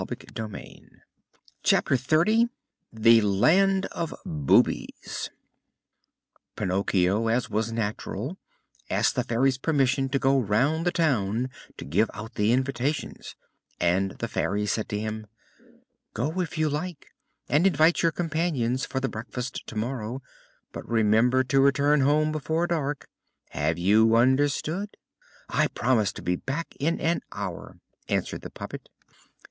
CHAPTER XXX THE "LAND OF BOOBIES" Pinocchio, as was natural, asked the Fairy's permission to go round the town to give out the invitations, and the Fairy said to him: "Go, if you like, and invite your companions for the breakfast tomorrow, but remember to return home before dark. Have you understood?" "I promise to be back in an hour," answered the puppet.